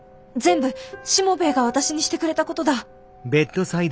全部しもべえが私にしてくれたことだ。